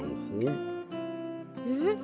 えっ？